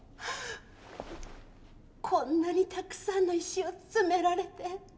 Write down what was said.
こんなにたくさんの石を詰められて。